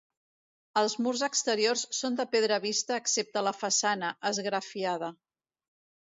Els murs exteriors són de pedra vista excepte la façana, esgrafiada.